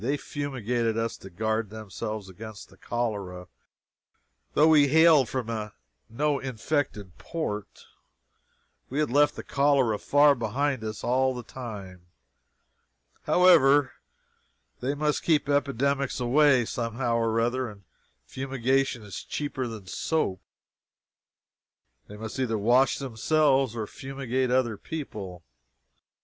They fumigated us to guard themselves against the cholera, though we hailed from no infected port. We had left the cholera far behind us all the time. However, they must keep epidemics away somehow or other, and fumigation is cheaper than soap. They must either wash themselves or fumigate other people.